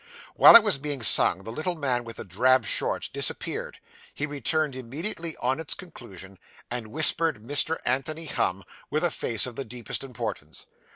While it was being sung, the little man with the drab shorts disappeared; he returned immediately on its conclusion, and whispered Mr. Anthony Humm, with a face of the deepest importance.